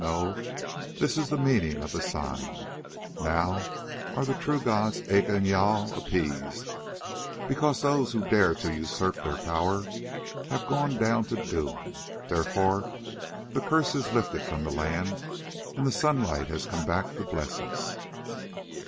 Nay, this is the meaning of the sign: now are the true gods, Aca and Jâl, appeased, because those who dared to usurp their power have gone down to doom. Therefore the curse is lifted from the land and the sunlight has come back to bless us."